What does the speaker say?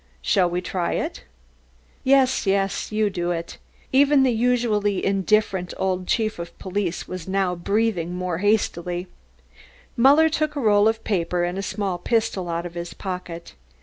"Shall we try it?" "Yes, yes, you do it." Even the usually indifferent old chief of police was breathing more hastily now. Muller took a roll of paper and a small pistol out of his pocket.